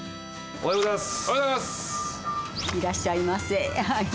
おはようございます。